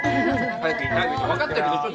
早く行って分かってるでしょ